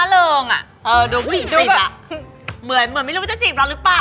เหมือนไม่รู้ว่าจะจีบเราหรือเปล่า